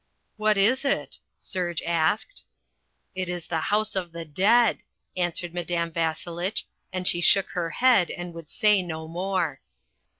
"What is it?" Serge asked. "It is the house of the dead," answered Madame Vasselitch, and she shook her head and would say no more.